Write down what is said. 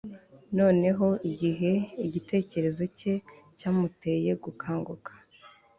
noneho, igihe igitekerezo cye cyamuteye gukanguka